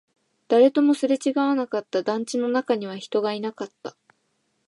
誰ともすれ違わなかった、団地の中には人がいなかった